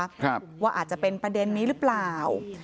ว่าอาจจะเป็นประเด็นนี้หรือเปล่า